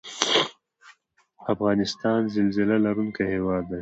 افغانستان زلزله لرونکی هیواد دی